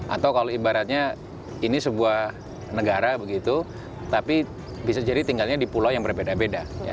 atau kalau ibaratnya ini sebuah negara begitu tapi bisa jadi tinggalnya di pulau yang berbeda beda